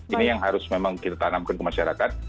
ini yang harus memang kita tanamkan ke masyarakat